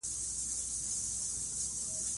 افغانستان کې کلي د نن او راتلونکي لپاره ارزښت لري.